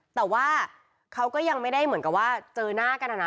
แต่ว่าเขาก็ยังไม่ได้เหมือนกับว่าเจอหน้ากันอะนะ